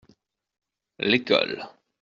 L’école.